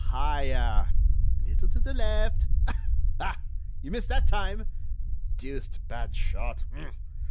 Higher!... A little to the left.... Ah! you missed that time ... deuced bad shot....